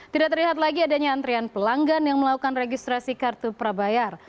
tidak terlihat lagi adanya antrian pelanggan yang melakukan registrasi kartu prabayar